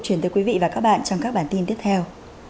chuyển tới quý vị và các bạn trong các bản tin tiếp theo